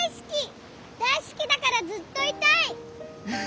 大好きだからずっといたい！